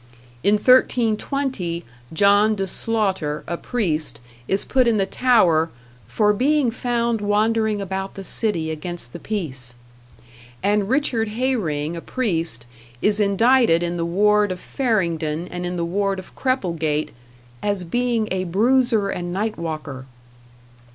In 1320 John de Sloghtre, a priest, is put in the tower "for being found wandering about the city against the peace", and Richard Heyring, a priest, is indicted in the ward of Farringdon and in the ward of Crepelgate "as being a bruiser and nightwalker."